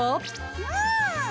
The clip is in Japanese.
うん！